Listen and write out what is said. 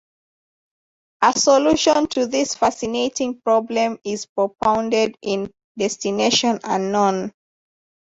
A solution to this fascinating problem is propounded in "Destination Unknown".